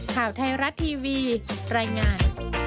ข่าวไทยรัฐทีวีรายงาน